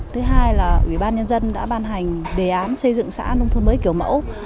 thứ hai là ủy ban nhân dân đã ban hành đề án xây dựng xã nông thôn mới kiểu mẫu